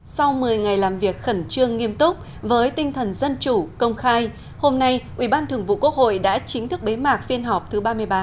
sau một mươi ngày làm việc khẩn trương nghiêm túc với tinh thần dân chủ công khai hôm nay ubthqh đã chính thức bế mạc phiên họp thứ ba mươi ba